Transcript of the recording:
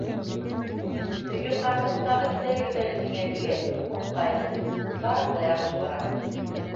Теге ҡарсыҡ тағы киләһегеҙ әле миңә тигәс, ҡурҡҡайны - барыһы ла яҡшы бара.